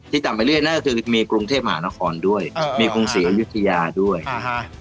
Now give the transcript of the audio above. ต่ำไปเรื่อยนั่นก็คือมีกรุงเทพมหานครด้วยอ่ามีกรุงศรีอยุธยาด้วยอ่าฮะ